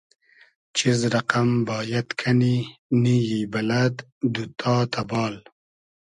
چیز رئقئم بایئد کئنی, نییی بئلئد, دوتتا تئبال